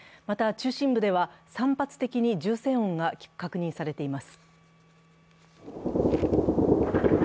また中心部では散発的に銃声音が確認されています。